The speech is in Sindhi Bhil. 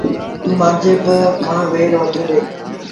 توݩ مآݩجي ڀآ کآݩ وير وٺي ڏي۔